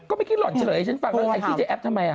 ก็ไม่กินหล่อนเฉยเช่นฟังด้วยคุณไม่เคยขี้จะแอบทำไม